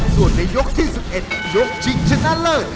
ส่วนในยกที่๑๑ยกชิงชนะเลิศ